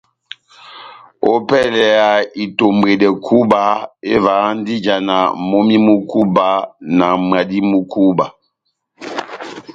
Ópɛlɛ ya itombwedɛ kúba, evahandi ijana momí mu kúba na mwadi mú kúba.